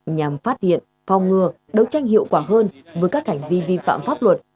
nhằm phát hiện phong ngừa đấu tranh hiệu quả hơn với các hành vi vi phạm pháp luật